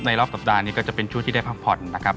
รอบสัปดาห์นี้ก็จะเป็นช่วงที่ได้พักผ่อนนะครับ